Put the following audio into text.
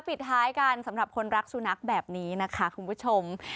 ปิดท้ายกันสำหรับคนรักสุนัขแบบนี้นะคะคุณผู้ชม